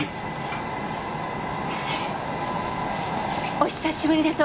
お久しぶりです